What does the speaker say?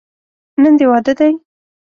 نن دې واده دی.